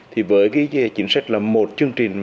thì với cái chính sách là một chương trình